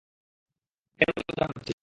কেন লজ্জা পাচ্ছিস?